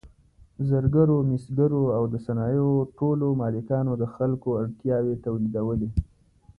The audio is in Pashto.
زرګرو، مسګرو او د صنایعو ټولو مالکانو د خلکو اړتیاوې تولیدولې.